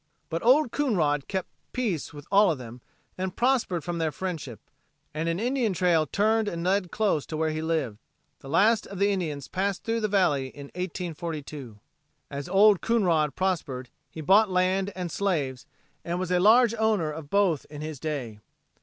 But Old Coonrod kept pace with all of them and prospered from their friendship, and an Indian trail turned and led close to where he lived. The last of the Indians passed through the valley in 1842. As Old Coonrod prospered he bought land and slaves, and was a large owner of both in his day.